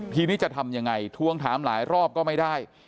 ทีนี้จะทำยังไงทวงถามหลายรอบก็ไม่ได้